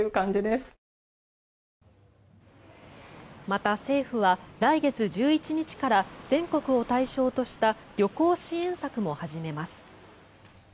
また、政府は来月１１日から全国を対象とした旅行支援策も始めます。